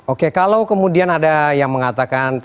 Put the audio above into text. oke kalau kemudian ada yang mengatakan